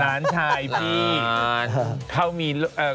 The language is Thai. หลานชายพี่เขามี